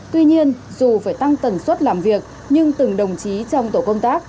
tuy nhiên dù phải tăng tần suất làm việc nhưng từng đồng chí trong tổ công tác